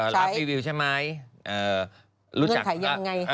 รับรีวิวใช่ไหม